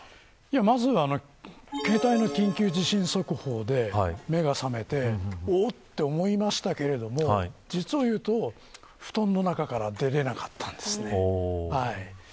まず、携帯の緊急地震速報で目が覚めておっと思いましたが実を言うと布団の中から出れなかったんですね。